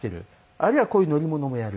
あるいはこういう乗り物もやる。